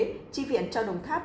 tri viện cho đồng tháp